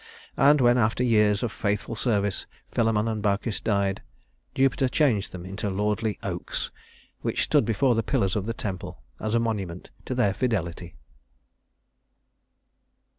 And when after years of faithful service Philemon and Baucis died, Jupiter changed them into lordly oaks, which stood before the pillars of the temple as a monument to their fidelity.